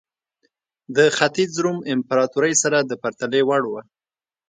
د ختیځ روم امپراتورۍ سره د پرتلې وړ وه.